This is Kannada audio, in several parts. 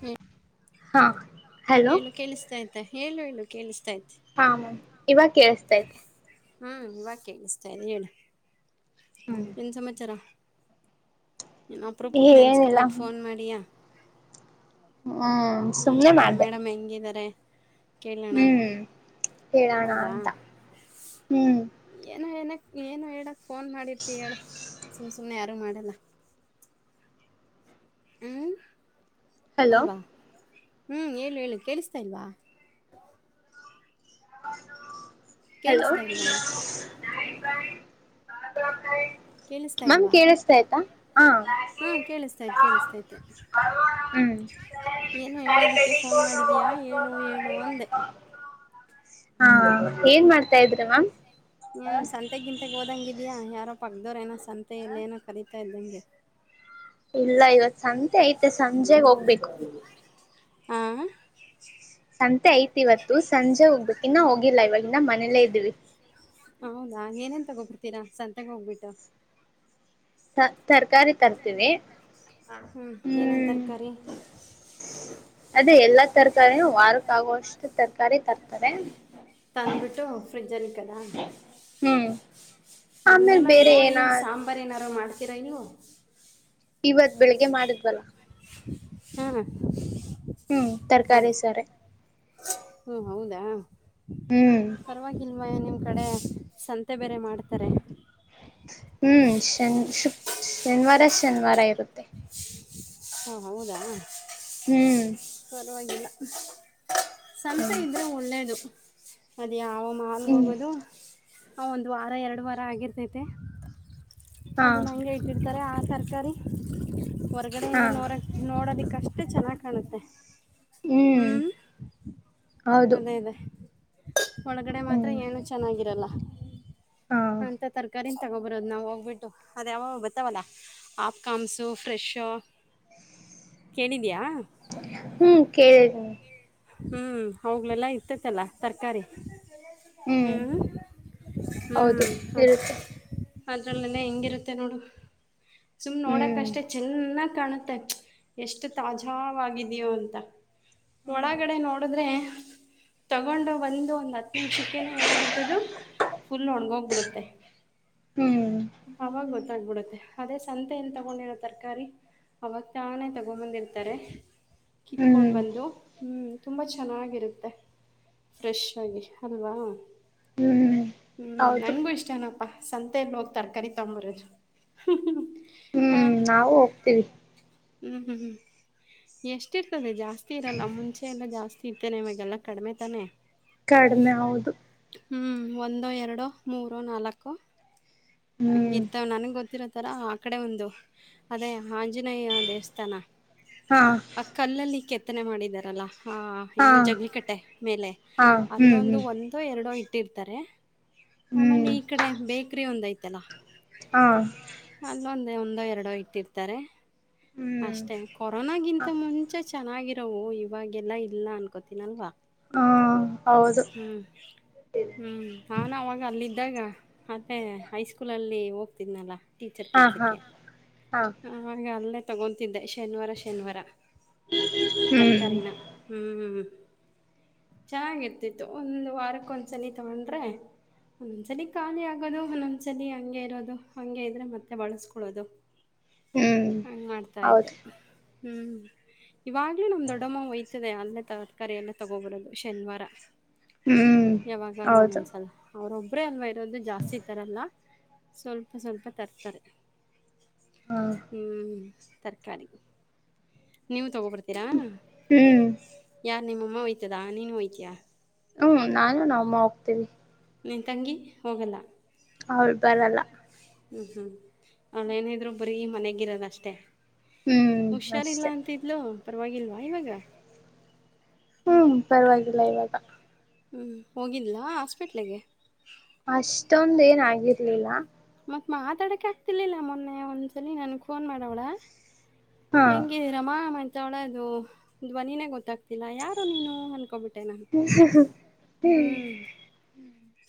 ಹ್ಮ ಹಾ ಹಲೋ ಹೇಳು ಕೇಳಿಸ್ತಾಯ್ತಾ ಹೇಳು ಹೇಳು ಕೇಳಿಸ್ತಾಯ್ತ ಹ್ ಇವಾಗ ಕೇಳಸ್ತತೆ ಹ್ಮ್ ಇವಾಗೇಸ್ತಾ ಇದೆ ಹೇಳಿ ಹ್ಮ್ ಏನ್ ಸಮಾಚಾರ ಇನು ಅಪರೂಪಕ್ಕೆ ಏನಿಲ್ಲ ನೆನ್ಸ್ಕೊಬಿಟ್ಟು ಫೋನ್ ಮಾಡಿಯಾ ಹ್ಮ್ ಹ್ಮ ಸುಮ್ಮ್ನೆ ನಮ್ಮ ಮಾಡ್ದೆ ಮೇಡಮ್ ಹೆಂಗಿದ್ದಾರೆ ಕೇಳೋಣ ಹ್ಮ್ ಹೇಳೋಣ ಹೌದಾ ಅಂತ ಹ್ಮ್ ಏನು ಹೇಳಕ್ ಫೋನ್ ಮಾಡಿರ್ತಿ ಹೇಳು ಸುಮ್ ಸುಮ್ನೆ ಯಾರು ಮಾಡಲ್ಲ ಹ್ಮ್ ಹಲೋ ಅಲ್ವಾ ಹ್ಮ್ ಹೇಳು ಹೇಳು ಕೇಳಿಸ್ತಿಲ್ಲ ಇಲ್ವಾ ಹಲೋ ಕೇಳಿಸ್ತಾ ಇಲ್ವಾ ಕೇಳಿಸ್ತಾ ಮ್ಯಾಮ್ ಇದ್ವಾ ಕೇಳಿಸ್ತಾ ಆಯ್ತಾ ಹಾ ಹಾ ಕೇಳಿಸ್ತಾ ಇತ್ ಕೇಳಿಸ್ತಾತೆ ಫೋನ್ ಪೆಫೋ ಮಾಡಿದೀಯಾ ವ ಹೇಳು ಹೇಳು ಅಂದೆ [inaudible] ಹಾ ಏನ್ ಮಾಡ್ತಾ ಇದ್ರಿ ಮ್ಯಾಮ್ ಸಂತೆಗಿಂತಾಗ ಹೋದಂಗ ಇದಿದ್ಯಾ ಯಾರ ಪಗದೋರ ಏನೋ ಸಂತೆ ಎಲ್ಲ ಏನೋ ಕರೀತ ಲಿಗೆ ಇಲ್ಲ ಇವತ್ ಸಂತೆ ಐತೆ ಸಂಜೆಗ ಹೋಗ್ಬೇಕು ಹ ಸಂತೆ ಐಇವತ್ತು ಸಂಜೆ ಹೋಗ್ಬೇಕ ಇನ್ನ ಹೋಗಿಲ್ಲ ಇವವಾಗಿನ್ನ ಮನೇಲ್ಲೇ ಇದೀವಿ ಹೌದಾ ಏನನ್ ತಗೊಬಿರ್ತೀರಾ ಸಂತಗ ಹೋಗ್ಬಿಟ್ಟ ಸ ತರಕಾರಿ ತರ್ತೀವಿ ಹ್ಮ್ ಏನೇನ್ ಹ್ಮ್ ತರಕಾರಿ ಅದೇ ಎಲ್ಲಾ ತರಕಾರೀನುವಾರಕ್ಕಾಗುವಷ್ಟು ತರಕಾರಿ ತರ್ತಾರೆ ತಂದ್ಬಿಟ್ಟು ಫ್ರಿಡ್ಜಲ್ಲಿ ಕದ ಹ್ಮ ಅದನನ್ ನೋಡಿ ಸಾಂಬಾರ್ ಏನಾರ ಮಾಡ್ತೀರ ನೀವು ಇವತ್ ಬೆಳಿಗ್ಗೆ ಮಾಡಿದ್ವಲ್ಲ ಹಾ ಹ ಹ್ಮ್ ತರಕಾರಿ ಸಾರೆ ಹ್ಮ ಹೌದಾ ಹ್ಮ್ ಪರವಾಗಿಲ್ವಾ ನಿಮ್ಮ ಕಡೆ ಸಂತೆ ಬೇರೆ ಮಾಡ್ತಾರೆ ಹ್ಮ್ ಶನ್ ಶನಿವಾರ ಶನಿವಾರ ಇರುತ್ತೆ ಹಾ ಹೌದಾ ಹ್ಮ್ ಲ್ಲ ಸಂಸೆ ಇದ್ರೆ ಒಳ್ಳೇದು ಅದ ಯಾವ [inaudible] ಮಾಲ್ಗೆ ಹ್ಮ್ ಹೋಗೋದು ಒಂದು ವಾರ ಎರಡು ವಾರ ಆಗಿರ್ತೈತೆ ಹಾ ಅದನ್ನ ಹಂಗೆ ಇಟ್ಟಿರ್ತಾರೆ ಆ ತರ್ಕಾರಿ ಹಾ ಹೊರ್ಗಡೆಯಿಂದ ನೋಡ ನೋಡೋದಿಕ್ಕ ಎಷ್ಟು ಚೆನ್ನಾಗ್ ಕಾಣುತ್ತೆ ಹ್ಮ್ ಹ್ಞೂ ಹೌದು ಅದೇ ಅದೇ ಒಳಗಡೆ ಮಾತ್ರ ಹ್ಮ್ ಏನು ಚೆನ್ನಾಗಿರಲ್ಲ ಹಾ ಅಂತ ತರಕ ತಗೋಬರೋದು ನಾವು ಹೋಗ್ಬಿಟ್ಟು ಅದೇ ಯಾಗ ಬತ್ತಾವಲ್ಲ ಆಪ್ ಕಾಮಸು ಫ್ರೆಶ ಕೇಳಿದೀಯಾ ಹ್ಮ್ ಕೇಳೇಳಿ [inaudible] ಹ್ಮ್ ಹೋಗ್ಲೆಲ್ಲಾ ಇತ್ತತಲ್ಲ ತರಕಾರಿ ಹ್ಮ್ ಹೌದು ಹ್ಮ್ ಅ ಇರುತ್ತೆ ಅದ್ರಲ್ಲೆನೆ ಹೆಂಗಿರುತ್ತೆ ನೋಡು ಸುಮ್ಮ್ ಹ್ಮ್ ನೋಡಕಷ್ಟೆ ಚೆನ್ನಾಗ್ ಕಾಣುತ್ತೆ ಎಷ್ಟು ತಾಜಾವಾಗಿದ್ಯೋ ಅಂತ ಹ್ಮ್ ಒಳಗಡೆ ನೋಡಿದ್ರೆ ತಗೊಂಡು ಬಂದು ಒಂದ್ ಹತ್ತು ನಿಮಿಷಕ್ಕೆನೆ ಏನಾಗುತ್ತೆ ಅದು ಫುಲ್ ಒಣಗೋಗ್ಬಿಡುತ್ತೆ ಹ್ಮ್ ಅವಾಗ ಗೊತ್ತಾಗ್ಬಿಡುತ್ತೆ ಅದೇ ಸಂತೆನ್ ತಗೊಂಡಿರು ತರಕಾರಿ ಅವಾಗ ತಾನೇ ತಗೊಬಂದಿರ್ತಾರೆ ಕಿತ್ಕೊಂಡ್ ಬಂದು ಹ್ಮ್ ತುಂಬ ಚೆನ್ನಾಗಿರುತ್ತೆ ಫ್ರೆಶ್ ಆಗಿ ಅಲ್ವಾ ಹ್ಮ್ ಹ್ಮ್ ಹೌದು ನನ್ಗೂ ಇಷ್ಟೇನಪ್ಪಾ ಸಂತೆ ಹೋಗ್ ತರಕಾರಿ ತೊಂಬರದು ಹ್ಮ್ ನಾವು ಹೋಗ್ತಿವಿ ಹ್ಮ್ ಹ್ಮ್ ಹ್ಮ್ ಎಷ್ಟಿ ಇರ್ತದೆ ಜಾಸ್ತಿ ಇರಲ್ಲ ಮುಂಚೆ ಎಲ್ಲಾ ಜಾಸ್ತಿ ಸಿತೇನೆ ನಿಮಾಗೆಲ್ಲ ಕಡಿಮೆ ತಾನೆ ಕಡಿಮೆ ಹೌದು ಹ್ಮ್ ಒಂದು ಎರಡು ಮೂರು ನಾಲ್ಕು ಹ್ಮ್ ಹಿರ್ತವೆ ನನಗೆ ಗೊತ್ತಿರತ್ತೆ ಆ ತರ ಆ ಕಡೆ ಒಂದು ಅದೇ ಆಂಜನೇಯ ದೇವಸ್ಥಾನ ಹಾ ಆ ಕಲ್ಲಲ್ಲಿ ಕೆತ್ತನೆ ಮಾಡಿದಾರಲ್ಲಾ ಹಾ ಹಾ ಏನ್ನು ಜಗ್ಲಿಕಟ್ಟೆ ಮೇಲೆ ಹಾ ಹ್ಮ್ ಅಲ್ಲೊಂದು ಒಂದೋ ಎರಡೋ ಇಟ್ಟಿರ್ತಾರೆ ಹ್ಮ್ ಹ್ಮ್ ಆಮೇಲೆ ಈ ಕಡೆ ಬೇಕರಿ ಒಂದ್ ಆಯಿತಲ್ಲ ಹಾ ಒಂದ ಎರಡೋ ಇಟ್ಟಿರ್ತಾರೆ ಹ್ಮ್ ಅಷ್ಟೇ ಕೊರೋನ ಗಿಂತ ಹ ಮುಂಚೆ ಚೆನ್ನಾಗಿರೋವು ಇವಾಗೆಲ್ಲ ಇಲ್ಲ ಅನ್ಕೋತೀನ್ ಅಲ್ವಾ ಹೌದು ಹ್ಮ್ ಹ್ಮ್ ನಾನ್ ಅವಾಗ ಅಲ್ಲಿದ್ ಇದಾಗ ಅತ್ತೇ ಹೈಸ್ಕೂಲಲ್ಲಿ ಹೋಗ್ತಿದ್ನಲ್ಲ ಟೀಚರ್ ಹಾ ಹಾ ಕೆಲ್ಸಕ್ಕೆ ಹಾ ಆ ಅಲ್ಲೇ ತಗೊತಿದ್ದೆ ಶನಿವಾರ ಶನಿವಾರ ಹ್ಮ್ ತರಕಿನ ಹ್ಮ್ [inaudible] ಚೆನ್ನಾಗಿರ್ತಿತ್ತು ಒಂದ್ ವಾರಕ್ಕ ಒಂದ್ಸನಿ ತಗೊಂಡ್ರೆ ಒಂದ್ಸಲಿ ಖಾಲಿ ಆಗೋದು ಒದೊಂದ್ ಸಲಿ ಹಂಗೆ ಇರೋದು ಹಂಗೆ ಇದ್ರೆ ಮತ್ತೆ ಬಳಸ್ಕೊಳ್ಳೋದು ಹ್ಮ್ ಹಂಗ್ ಮಾಡ್ತಾ ಇದ್ದೆ ಹೌದು ಹ್ಮ್ ಇವಾಗ್ಲೂ ನಮ್ ದೊಡ್ಡಮ್ಮ ಒಯ್ತದೆ ಅಲ್ಲ ತರಕಾರಿ ಎಲ್ಲ ತಗೋಬರೋದು ಶನಿವಾರ ಹ್ಮ್ ಯಾವಾಗಾರು ಹೌದು ಒನ್ನೊಂದ್ಸಲ ಅವರು ಒಬ್ರೇ ಅಲ್ವ ಇರೋದು ಜಾಸ್ತಿ ತರಲ್ಲ ಸ್ವಲ್ಪ ಸ್ವಲ್ಪ ತರ್ತಾರೆ ಹ ಹ್ಮ್ ತರಕಾರಿ ನೀವು ತಗೋಬರ್ತೀರಾ ಹ್ಮ್ ಯಾರ್ ನಿಮ್ಮಮ್ಮ ಒಯ್ತದಾ ನೀನು ಹೊಯಿತ್ತಿಯ ಹ್ಮ್ ನಾನು ನಮ್ ಅಮ್ಮ ಹೋಗ್ತೇವಿ ನೀನ್ ತಂಗಿ ಹೋಗಲ್ಲ ಅವಳ್ ಬರಲ್ಲ ಹ್ಮ್ ಹ್ಮ್ ಅವಳ್ ಏನಿದ್ರು ಬರೀ ಮನೆಗಿರದ್ ಅಷ್ಟೇ ಹ್ಮ್ ಹುಷಾರಿಲ್ಲ ಅಷ್ಟೆ ಅಂತಿದ್ಲು ಪರವಾಗಿಲ್ವಾ ಇವಾಗ ಹ್ಮ್ ಪರವಾಗಿಲ್ಲ ಇವಾಗ ಹ್ಮ್ ಹೋಗಿದ್ಲ್ ಹಾಸ್ಪಿಟ್ಲಗೆ ಅಷ್ಟೊಂದ ಏನ್ ಆಗಿರ್ಲಿಲ ಮಾತಾಡಕ ಆಗ್ತಿಲಿಲ್ಲ ಮೊನ್ನೆ ಒಂದ್ಸಲಿ ನನ್ಗ್ ಫೋನ್ ಮಾಡವ್ಳೆ ಹಾ ಹೆಂಗಿದೀರಮ್ಮ [unintelligible] ಧ್ವನಿನೇ ಗೊತ್ತಾಗ್ತಿಲ್ಲ ಯಾರು ನೀನು ಅನ್ಕೊಬಿಟ್ಟೆನಾ [unintelligible]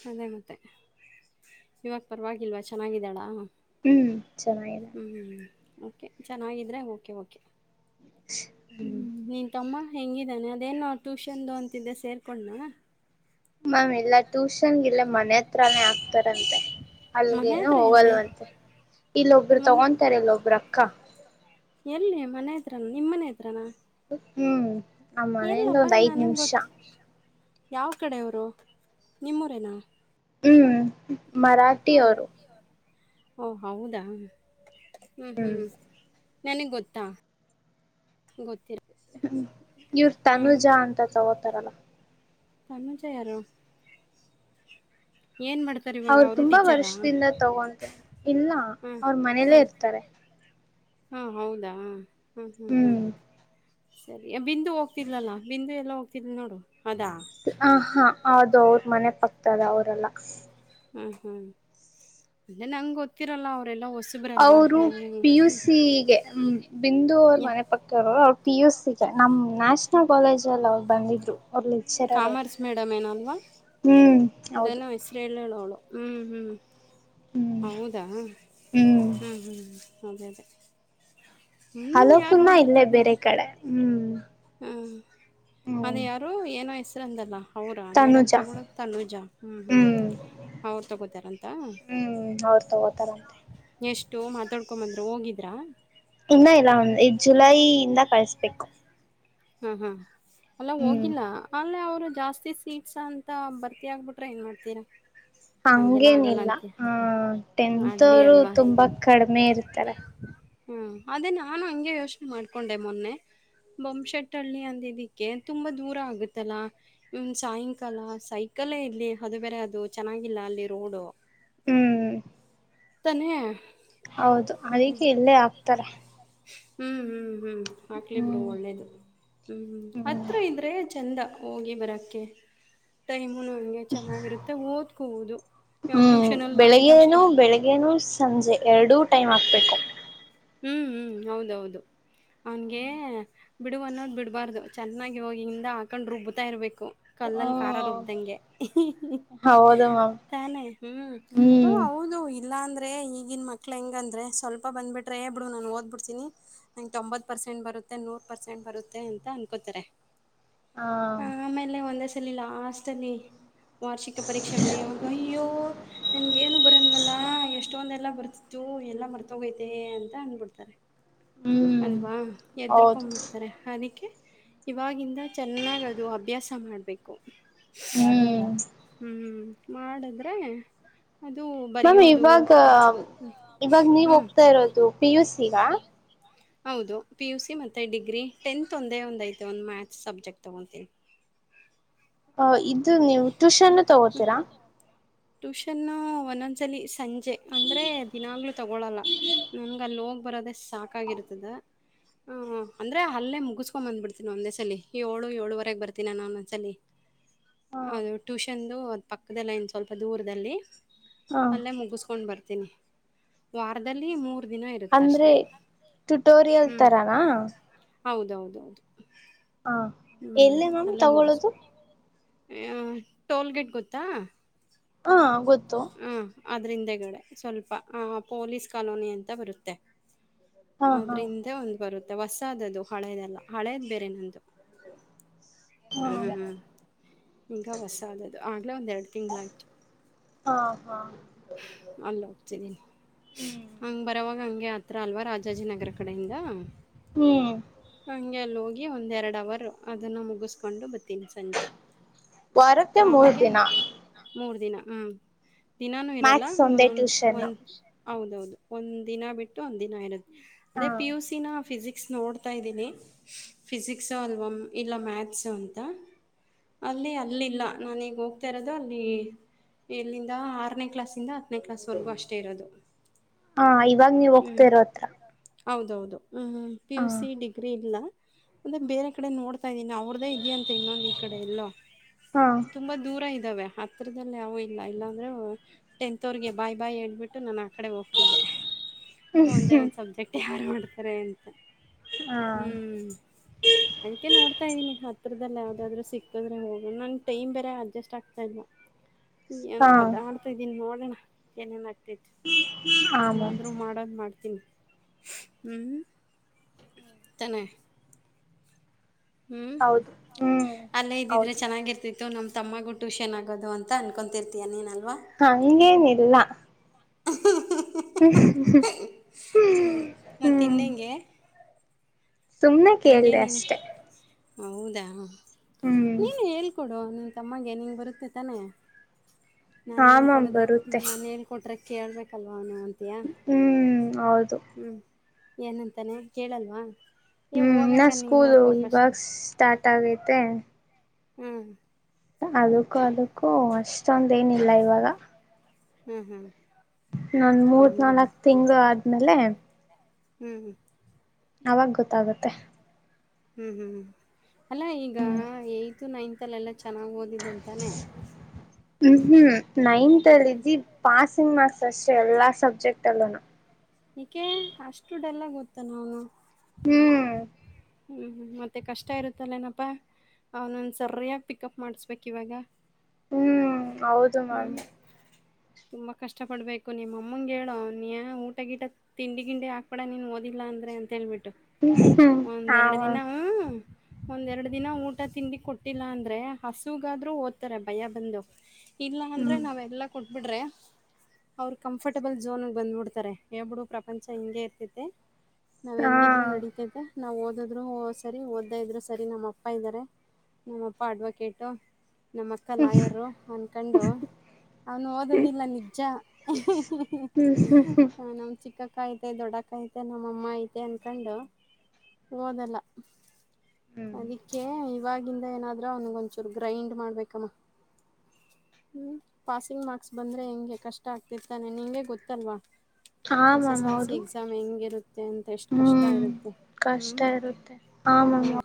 ಅದೇ ಮತ್ತೆ ಇವಾಗ ಪರವಾಗಿಲ್ವಾ ಚೆನ್ನಾಗಿದ್ದಾಳಾ ಹ್ಮ್ ಚೆನ್ನಾಗಿದೆ ಹ್ಮ್ ಹ ಓಕೆ ಚೆನ್ನಾಗಿದ್ರೆ ಓಕೆ ಓಕೆ ಹ್ಮ ನಿನ್ ತಮ್ಮ ಹೆಂಗಿದ್ದಾನೆ ಅದೇನು ಟ್ಯೂಷನ್ದು ಅಂತಿದ್ದೆ ಸೇರ್ಕೊಂಡನಾ ಮ್ಯಾಮ್ ಇಲ್ಲ ಟ್ಯೂಷನ್ಗೆ ಇಲ್ಲ ಮನೆ ಹತ್ರಾನೇ ಆಕ್ತಾರಂತೆ ಮನೆ ಅಲ್ಗೇನು ಹತ್ರ ಎಲ್ಲಿ ಹೋಗಲ್ವಂತೆ ಇಲ್ಲೊಬ್ರು ಮನೆ ತಗೊಂತಾರೆ ಇಲ್ಲೊಬ್ಬ್ರ ಅಕ್ಕ ಎಲ್ಲಿ ಮನೆ ಹತ್ರಾನಾ ನಿಮ್ಮ ಮನೆ ಹತ್ರಾನಾ ಹ್ಮ್ ಆ ಮನೆಯಿಂದ ಒಂದು ಐದು ನನಗ್ ನಿಮಿಷಾ ಗೊತ್ ಯಾವ ಕಡೆಯವರು ನಿಮ್ಮೂರೇನಾ ಹ್ಮ್ ಮರಾಠಿ ಹೌದಾ ಅವರು ಓ ಹೌದಾ ಹ್ಮ್ ಹ್ಮ್ ನನಗೆ ಗೊತ್ತಾ ಗೊತ್ತಿಲ್ಲ ಹ್ಮ ಇವ್ರ ತನುೂಜ ಅಂತ ತಗೋತಾರಲ್ಲ [unintelligible] ಏನ್ ಮಾಡ್ತಾರೆ ಇವಾಗ ಅವ್ರ ಅವರು ತುಂಬಾ ಟೀಚರಾ? ವರ್ಷದಿಂದ ತಗೊಂತಾರೆ ಇಲ್ಲಾ ಹಾ ಅವ್ರ ಮನೇಲ್ಲೇ ಹಾ. ಇರ್ತಾರೆ ಹಾ ಹೌದಾ ಹ್ಮ್ ಹ್ಮ್ ಹ್ಮ್ ಸರಿ ಬಿಂದು ಹೋಗ್ತಿಲಲ್ಲಾ ಬಿಂದು ಎಲ್ಲ ಹೋಗ್ತಿದ್ಲು ನೋಡು ಅದಾ ಹ ಹಾ ಹದು ಅವ್ರ ಮನೆ ಪಕ್ತದ ಅವರೆಲ್ಲ ಹ್ಮ ಹ್ಮ್ ಅೆ ನಂಗೆ ಗೊತ್ತಿರಲ್ಲ ಅವರ ಅವರು ಪಿಯುಸಿಗೆ ಬಿಂದು ಅವ್ರ ಮನೆ ಪಕ್ಕದವರು ಅವ್ರರು ಪಿ ಯು ಸಿ ನಮ್ ನ್ಯಾಷನಲ್ ಕಾಲೇಜ್ ಅಲ್ಲಿ ಅವ್ರು ಬಂದಿದ್ರು ಅವ್ರ ಲೆಕ್ಚರರ್ ಅವರು ಕಾಮರ್ಸ್ ಮೇಡಮ್ ಏನಲ್ವಾ ಹ್ಮ್ ಇದ ಹೌದು ನ ಹೆಸರ ಹೇಳೋಳು ಹ್ಞ ಹ್ಞೂ ಹ್ಮ್ ಹೌದಾ ಹ್ಞ ಹ್ಮ್ ಹ್ಞೂ ಹ್ ಅದೇದ ಅಲೋಕಣ ಇಲ್ಲೇ ಬೇರೆ ಕಡೆ ಹ್ಮ್ ಹಾಞ ಅದ ಹ್ಮ್ ಯಾರು ಏನೋ ಹೆಸರು ಅಂದಲ್ಲ ಅವರಾ ಮೇಡಮ್ ತನುಜ ತಗಳೋದು ತನುೂಜ ಹ್ಞೂ ಹ್ಞೂ ಹ್ಮ್ ಅವ್ರು ತೊಗೋತಾರಂತ ಅವ್ರು ತಗೋತಾರಂತೆ ಮಾತಾಡ್ಕೊ ಬಂದ್ರು ಹೋಗಿದ್ರಾ ಇನ್ನ ಇಲ್ಲ ಒ ಜುಲೈಯಿಂದ ಕಳಸ್ಬೇಕು ಹ್ಮ್ ಹ್ಮ್ ಅಲ್ಲ ಹೋಗಿಲ್ಲ ಅಲ್ಲೇ ಅವ್ರ ಜಾಸ್ತಿ ಸೀಟ್ಸ್ ಅಂತ ಬರ್ತಿ ಆಗ್ಬಿಟ್ರೆ ಏನ್ ಮಾಡ್ತೀರಾ ಹಂಗೆಲ್ಲ ಆಗಲ್ಲ ಹಂಗೇನಿಲ್ಲ ಅಂತೀಯ. ಹ ಟೆಂತ್ ಹಳ್ಳಿ ಅವರು ಅಲ್ವಾ ತುಂಬಾ ಕಡಿಮೆ ಇರ್ತಾರೆ ಹ್ಮ ಅದೇ ನಾನು ಹಂಗೆ ಯೋಚನೆ ಮಾಡ್ಕೊಂಡೆ ಮೊನ್ನೆ ಬೊಮ್ ಶೆಟ್ ಳ್ಳಿ ಅಂದ ಇದಕ್ಕೆ ತುಂಬಾ ದೂರ ಆಗುತ್ತಲ್ಲಾ ಇ ಸಾಯಂಕಾಲ ಸೈಕಲ್ ಇಲ್ಲಿ ಅದು ಬೇರೆ ಅದು ಚೆನ್ನಾಗಿಲ್ಲ ಅಲ್ಲಿ ರೋಡ್ ಹ್ಮ್ ತನೆ ಹೌದು ಅದಕೆ ಇಲ್ಲೇ ಹಾಕ್ತಾರೆ ಹ್ಞ ಹ್ಞ ಹ್ಞ ಹಾಕ್ಲಿ ಬಿಡು ಒಳ್ಳೇದು ಹ್ಞ ಹ ಹ್ಮ್ ಹತ್ರಿ ಇದ್ದರೆ ಚಂದ ಹೋಗಿ ಬರಕ್ಕೆ ಟೈಮ್ ನಂಗೆ ಚೆನ್ನಾಗಿರುತ್ತೆ ಓದ್ಕುದು ಟ್ಯೂಷನ್ ಅಲ್ ಮಾಡಿದ ಅಷ್ಟಕ್ ಬೆಳಗೇನು ಸಂಜೆ ಎರಡುೂ ಟೈಮ್ ಹಾಕ್ಬೇಕು ಹ್ಮ್ ಹ್ಮ್ ಹೌದೌದು ಅವನಿಗೆ ಬಿಡುಗ ಅನ್ನೋದು ಬಿಡ್ಬಾರ್ದು ಚೆನ್ನಾಗಿ ಹೋಗಿಿಂದ ಹಾಕೊಂಡು ರುಬ್ಬತಾ ಇರಬೇಕು ಕಲ್ಲಲ್ಲಿ ಖಾರ ಹ್ಮ್ ರುಬ್ಬದಂಗೆ ಹೌದು ಮ್ಯಾಮ್ ತಾನೆ ಹ್ಮ್ ಓ ಹ್ಮ್ ಹೌದು ಇಲ್ಲಾ ಅಂದ್ರೆ ಈಗಿನ್ ಮಕ್ಳ ಹೆಂಗ ಅಂದ್ರೆ ಸ್ವಲ್ಪ ಬಂದ್ಬಿಟ್ಟ ರೆ ಬ್ರೋ ನಾನು ಓದ್ಬ ಬಿಡ್ತಿನಿ ನಂಗೆ ತೊಂಬತ್ ಪರ್ಸೆಂಟ್ ಬರುತ್ತೆ ನೂರ್ ಪರ್ಸೆಂಟ್ ಬರುತ್ತೆ ಅಂತ ಅನ್ಕೋತಾರೆ ಹ ಆಮೇಲೆ ಒಂದೇ ಸಲಿ ಲಾಸ್ಟ್ ಅಲ್ಲಿ ವಾರ್ಷಿಕ ಪರೀಕ್ಷೆ ಬರೆಯವಾಗ ಅಯ್ಯೋ ನನ್ಗ ಏನು ಬರಲ್ವಲ್ಲ ಎಲ್ಲಾ ಎಷ್ಟೊಂದ ಎಲ್ಲಾ ಬರ್ತಿತ್ತು ಎಲ್ಲಾ ಮರ್ತೋಗೈತೆ ಅಂತ ಅಂದಬಿಡ್ತಾರೆ ಹ್ಮ್ ಅಲ್ವಾ ಹೌದು ಎದರ್ಕೊಂಡ್ಬಿಡ್ತಾರೆ ಅದಕ್ಕೆೆ ಇವಾಗಿಂದ ಚೆನ್ನಾಗ್ ಅದು ಅಭ್ಯಾಸ ಮಾಡ್ಬೇಕು ಹ್ಮ್ ಹ್ಮ್ ಮಾಡಿದ್ರೆ ಅದು ಮ್ಯಾಮ್ ಬರಿಯೋದು ಇವಾಗ ಇವಾಗ ಹ್ಮ್ ನೀವುಹೋಗ್ತಾ ಇರೋದು ಪಿ ಯು ಸೀ ಗ ಹೌದು ಪಿ ಯು ಸಿ ಮತ್ತೆ ಡಿಗ್ರಿ ಟೆಂತ್ ಒಂದೇ ಒಂದ ಐತೆ ಒಂದು ಮ್ಯಾಥಸ್ ಸಬ್ಜೆಕ್ಟ್ ತಗೊತೀನಿ ಅ ಇದು ನೀವು ಟ್ಯೂಷನ್ನು ತಗೋತೀರಾ ಟ್ಯೂಷನ್ ಒಂದೊಂದು ಸರಿ ಜ್ಜೆ ಅಂದ್ರೆ ದಿನಾಗ್ಲು ತಗೊಳಲ್ಲ ನನ್ಗೆ ಅಲ್ಲಿ ಹೋಗ್ ಬರೋದೆೇ ಸಾಕಾಗಿರ್ತದ ಹ್ಮ್ ಅಂದ್ರೆ ಅಲ್ಲೇ ಮುಗಿಸ್ಕೊಂಡ್ ಬಂದ್ಬಿಡ್ತೀನಿ ಒಂದೇ ಸಲ ಏಳು ಏಳುವರೆಗೆ ಬರ್ತೀನ ನಾನ ಒಂದೊಂದ್ಸಲಲಿ ಅದು ಹ ಟ್ಯೂಷನ್ ದು ಪಕ್ಕದಲ್ಲ ಇನ್ ಸ್ವಲ್ಪ ದೂರದಲ್ಲಿ ಅಲ್ಲೇ ಮುಗಿಸ್ಕೊಂಡು ಬರ್ತೀನಿ ವಾರದಲ್ಲಿ ಮೂರು ದಿನ ಇರುತ್ತೆ ಅಂದ್ರೆ ಅಷ್ಟೆ ಟ್ಯುಟೋರಿಯಲ್ ಹ್ಮ್ ತರನಾ ಹೌದೌದೌದು ಹ ಎಲ್ಲೇ ಮ್ಯಾಮ್ ತೊಗೊಳೋದು ಆ ಟೋಲ್ ಗೇಟ್ ಗೊತ್ತಾ ಹಾ ಗೊತ್ತು ಹ ಅದ್ರಿಂದಗಡೆ ಸ್ವಲ್ಪ ಆ ಪೊಲೀಸ್ ಕಾಲೋನಿ ಅಂತ ಬರುತ್ತೆ ಹಾ ಹಾ ಆದ್ರಿಂದ ಒಂದ್ ಬರುತ್ತೆ ಹೊಸಾದ್ದದು ಹಳೆದಲ್ಲ ಹಳೇದ್ ಬೇರೆ ನಂದು ಹ ಹ್ಮ್ ಈಗ ಹೊಸ ಆದದ್ದದು ಆಗ್ಲೇ ಒಂದೆರಡು ತಿಂಗ್ಗಳಾಯ್ತು ಆಹಾ ಅಲ್ಲ ಹೋಗ್ತಿದ್ದೀನಿ ಹ್ಮ್ ಹಂಗ ಬರವಾಗ ಹಂಗ ಹತ್ರ ಅಲ್ವಾ ರಾಜಾಜಿನಗರ ಕಡೆಯಿಂದ ಹ್ಮ್ ಹಂಗೆ ಅಲ್ಲಿ ಹೋಗಿ ಒಂದ್ ಎರಡ್ ಅವರ್ ಅದನ್ನು ಮುಗಿಸಸ್ಕೊಂಡು ಬತ್ತ ಸಂಜೆಆಗ ವಾರಕ್ಕೆ ಮೂರ್ ದಿನ ಮೂರ್ ದಿನ ಹ ಲ್ಲ ಮ್ಯಾಕ್ಸ್ ಒಂದೇ ಟ್ಯೂಷನ್ ಒಂದ ಹೌದೌದು ಒಂದು ದಿನ ಬಿಟ್ಟು ಒಂದ ದಿನ ಇರದು ಹ ಅದೇ ಪಿ ಯು ಸಿನ ಫಿಸಿಕ್ಸ್ ನೋಡ್ತಾ ಇದ್ದೀನಿ ಫಿಸಿಕ್ಸು ಅಲ್ವ ಇಲ್ಲ ಮ್ಯಾಥ್ಸು ಅಂತ ಅಲ್ಲಿ ಅಲ್ಲಿಲ್ಲ ನ ಈಗ ಹೋಗ್ತಾ ಇರೋದು ಅಲ್ಲಿ ಎಲ್ಲಿಂದ ಆರನೇ ಕ್ಲಾಸ್ ಹನೇ ಕ್ಲಾಸ್ ವರೆಗೂ ಅಷ್ಟೇ ಇರದು ಹಾ ಇವಾಗ ನೀವ್ ಹ್ಮ ಹೋಗ್ತಿರೋ ಹತ್ರ ಹೌದೌದು ಹ್ಮ ಪಿ ಯು ಹ ಸಿ ಡಿಗ್ರಿ ಇಲ್ಲ ಅಂದೆ ಬೇರೆ ಕಡೆ ನೋಡ್ ಇದೀನಿ ಅವ್ರದ್ದೇ ಇದೆಯ ಅಂತ ಇನ್ನೊಂದ್ ಈ ಕಡೆ ಎಲ್ಲೋ ಹಾ ತುಂಬಾ ದೂರ ಇ ಇದ್ದಾವ ಹತ್ರದಲ್ಲಿ ಯವು ಇಲ್ಲ ಇಲ್ಲಾ ಅಂದ್ರೆ ಟೆಂತ್ ಅವಗೆ ಬಾಯ್ ಬಾಯ್ ಹೇಳ್ಬಿಟ್ಟು ನ ಕಡೆ ಹೋಗ್ತಿದ್ದೆ ಒಂದೇ ಹ್ಮ್ ಒಂದು ಸಬ್ಜೆಕ್ಟ್ ಯಾರು ಮಾಡ್ತಾರೆ ಅಂತ ಹಾ ಹ್ಮ್ ಅದಕೆ ನೋಡ್ತಾ ಇದ್ದೀನಿ ಹತ್ ಹತ್ರದಲ್ಲಿ ಯಾವ್ದಾದ್ರು ಸಿಕ್ಕಿದ್ರೆ ಹೋಗ ನನ್ ಟೈಮ್ ಬೇರೆ ಅಡ್ಜಸ್ಟ್ ಆಗ್ತಾ ಇಲ್ಲ ಏನೋ ಹಾ ಒದ್ದಾಡ್ತಾ ಇದೀನಿ ನೋಡೋಣ ಏನ್ ಏನ್ ಆಗ್ತಾ ಹಾ ಇದ್ಯಾ ಮ್ಯಾಮ್ ಆದ್ರೂ ಮಾಡೋದ್ ಮಾಡ್ತ ತಿ ಹ ತನ ಹ್ಮ್ ಹೌದು ಹ್ಮ್ ಅಲ್ಲೇ ಇದಿದ್ರೆ ಹೌದು ಚೆನ್ನಾಗಿರ್ತಿತಿ ಇ ನಮ್ಮ ತಮ್ಮಗೂ ಟ್ಯೂಷನ್ ಆಗೋ ಅಂತ ಅನ್ಕೊಂತಿರ್ತೀಯ ನೀನ ಹಾ ಇನ್ನೇನಿಲ್ಲ ಹ್ಮ ಮತ್ತ ಇನ್ನ ಹ್ಮ್ ಹೆಂಗೆ ಸುಮ್ನೆ ಕೇಳ್ದ ಅಷ್ಟೆ ಹೌದಾ ಹ್ಮ್ ನೀನು ಹೇಳ್ಕೊಡು ನಿನ್ನ ತಮ್ಮಗೆ ನಿಂಗ ಬರುತ್ತೆ ತಾನೇ ಹಾ ನಾನನ್ ಮ್ಯಾಮ್ ಹೇಳ್ಕೊಡದ್ರ ಬರುತ್ತೆ ನಾನನ್ ಹೇಳ್ಕೊಟ್ರೆ ಕೇಳ್ಬೇಕಲ್ವಾ ಅವ ನುಅಂತ ಹ್ಮ್ ಹೌದು ಹ್ಮ್ ಏನಂತಾನೆ ಕೇಳಲ್ವಾ ಏ ಹ್ಮ್ ನಾ ಹೋಗಕ್ಕ ನೀನು ಸ್ಕೂಲ್ ಓದ್ಕೊ ಇವಾಗ ಫಸ್ಟು ಸ್ಟಾರ್ಟ್ ಆಗೈತೆ ಹ್ಮ್ ಅದಕ್ಕೂ ಅದಕ್ಕೂ ಅಷ್ಟೊಂದ ಏನಿಲ್ಲ ಇವಾಗ ಹ್ಮ್ ಹ್ಮ್ ನನ್ ಮೂರ್ ನಾಲ್ಕ್ ತಿಂಗಳು ಆದ್ಮೇಲೆ ಹ್ಮ್್ಮ ಅವಾಗ ಗೊತ್ತಾಗತ್ತೆ ಹ್ಮ್ ಹ್ಮ್ ಅಲ್ಲಾ ಈಗ ಏತ್ ನೈನ್ತ್ ಅಲ್ಲೆಲ್ಲ ಚೆನ್ನಾಗಿ ಓದಿದ್ದಂತಾನೇ ಹ್ಮ್ ಹ್ಮ್ ನೈನ್ತ್ ಅಲ್ಲಿಿದ್ದಿ ಪಾಸಿಂಗ್ ಮಾರ್ಕ್ಸ್ ಅಷ್ಟೆ ಎಲ್ಲಾ ಸಬ್ಜೆಕ್ಟ್ ಅಲ್ಲೂನು ಇಕೆ ಅಷ್ಟುಡೆಲ್ಲ ಗೊತ್ತ ನ ಅವನು ಹ್ಮ್ ಹ್ಮ್ ಮತ್ತೆ ಕಷ್ಟ ಇರುತ್ತಲ್ಲೇಏನಪ್ಪಾ ಅವನೊಂದ ಸರಯಾಗಿ ಪಿಕಪ್ ಮಾಡ್ಸ್ಬೇಕಕ್ ಇವಾಗ ಹ್ಮ್ ಹೌದು ಮ್ಯಾಮ್ ಹ್ಮ್ ತುಂಬಾ ಕಷ್ಟ ಪಡ್ಬೇಕು ನಿಮ್ಮ ಅಮ್ಮಂಗ ಹೇಳ ನೀ ಊಟ ಗಿಟ ತಿಂಡಿ ಗಿಂಡಿ ಹಾಕ್ಬಡ ನೀನ್ ಓದಿಲ್ಲ ಅಂದ್ರೆ ಅಂತೇಳ್ಿಟ್ಟು ಹ ಒಂದೆರಡು ದಿನೂ ಒಂದೆರಡು ದಿನ ಊಟ ತಿಂಡಿ ಕೊಟ್ಟಿಲ್ಲ ಅಂದ್ರೆ ಹಸುಗಾದ್ರರು ಓದ್ತಾರೆ ಭಯ ಬಂದು ಇಲ್ಲ ಅಂದ್ರೆ ಹ್ಮ್ ನಾವೆಲ್ಲಾ ಕೊಟ್ಬಿಡ್ರಿ ಅವರು ಕಂಫರ್ಟಬಲ್ ಝೋನ್ಗೆ ಬಂದ್ಬಿಡ್ತಾರೆ ಹೇಳ್ಬಿಡು ಪ್ರಪಂಚ ಹಿಂಗಗೆ ಇರ್ತತೆ ನಾವ್ ಹಾ ಹೆಂಗಿದ್ರು ನಡಿತತೆ ನಾವ್ ಓದದ್ರು ಸರಿ ಓದ್ದ ಇದ್ರು ಸರಿ ನಮ್ಮ ಅಪ್ಪ ಇದ್ದಾರೆ ನಮ್ಮಪ್ಪ ಅಡ್ವೊಕೇಟು ನಮ್ಮ ಅಕ್ಕ ಹ್ಮ್ ಲಾಯರು ಅನ್ಕೊಂಡು ಅವನು ಓದದಿಲ್ಲ ನಿಜ ಹ್ಮ್ ಹ್ಮ್ ನಮ್ ಚಿಕ್ಕ ಅಕ್ಕ ಐತೆ ದೊಡ್ಡಕ್ಕಐತೆ ನಮ್ಮಮ್ಮ ಐತೆ ಅನ್ಕೊಂಡು ಓದಲ್ಲ ಹ್ಮ್ ಅದಕ್ಕೆ ಇವಾಗಿವಾಗಿಂದ ಏನಾದ್ರೂ ಅವನಗೊಂಚೂರು ಗ್ರೈಂಡ್ ಮಾಡ್ಬೇಕಮ್ಮ ಹ್ಮ್ ಪಾಸಿಂಗ್ ಮಾರ್ಕ್ಸ್ ಬಂದ್ರೆ ಹೆಂಗೆ ಕಷ್ಟ ಆಗ್ತಿರ್ತಾನೆ ನಿಗೆ ಗೊತ್ತಲ್ವಾ ಹಾ S S ma'am L C ಹೌದು ಎಕ್ಸಾಮ್ ಹೆಂಗಿರುತ್ತೆ ಅಂತ ಎಷ್ಟು ಕಷ್ಟ ಹ್ಮ್ ಇರುತ್ತೆ ಹ್ಮ್ ಕಷ್ಟ ಇರುತ್ತೆ ಹೌದು ಆ